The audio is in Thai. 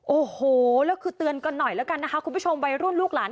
โอ้โหแล้วคือเตือนกันหน่อยแล้วกันนะคะคุณผู้ชมวัยรุ่นลูกหลาน